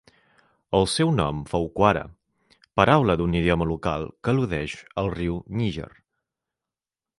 El seu nom fou Kwara, paraula d'un idioma local que al·ludeix al riu Níger.